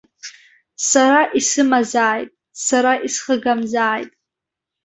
Сара исымазааит, сара исхыгамзааит!